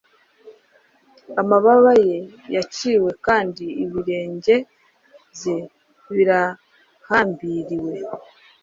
amababa ye yaciwe kandi ibirenge bye birahambiriwe